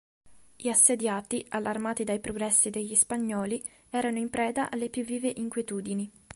Gli assediati, allarmati dai progressi degli spagnoli, erano in preda alle più vive inquietudini.